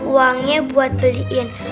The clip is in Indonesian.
uangnya buat beliin